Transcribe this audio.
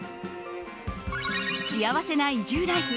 幸せな移住ライフ